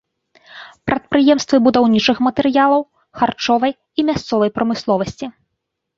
Прадпрыемствы будаўнічых матэрыялаў, харчовай і мясцовай прамысловасці.